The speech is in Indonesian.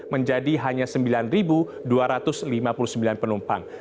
menjadi hanya sembilan dua ratus lima puluh sembilan penumpang